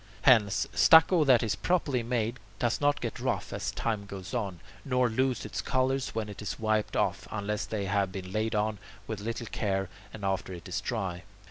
8. Hence, stucco that is properly made does not get rough as time goes on, nor lose its colours when it is wiped off, unless they have been laid on with little care and after it is dry.